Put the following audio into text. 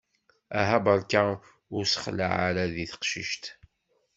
Aha barka ur ssexlaɛ ara di teqcict!